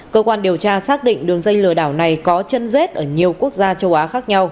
cơ quan điều tra xác định đường dây lừa đảo này có chân rết ở nhiều quốc gia châu á khác nhau